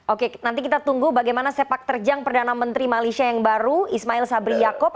oke nanti kita tunggu bagaimana sepak terjang perdana menteri malaysia yang baru ismail sabri yaakob